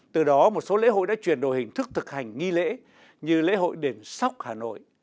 từ đó một số lễ hội đã chuyển đổi hình thức thực hành nghi lễ như lễ hội đền sóc hà nội